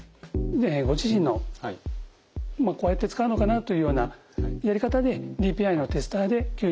ご自身のまあこうやって使うのかなというようなやり方でＤＰＩのテスターで吸入をしてみてください。